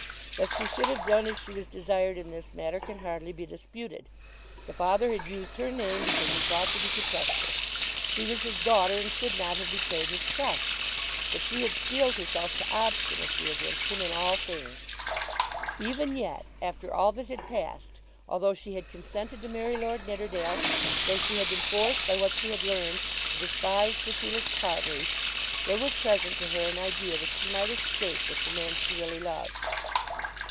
That she should have done as she was desired in this matter can hardly be disputed. The father had used her name because he thought that he could trust her. She was his daughter and should not have betrayed his trust. But she had steeled herself to obstinacy against him in all things. Even yet, after all that had passed, although she had consented to marry Lord Nidderdale, though she had been forced by what she had learned to despise Sir Felix Carbury, there was present to her an idea that she might escape with the man she really loved.